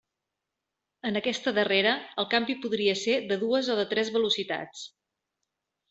En aquesta darrera, el canvi podia ser de dues o de tres velocitats.